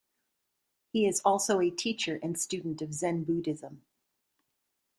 He is also a teacher and student of Zen Buddhism.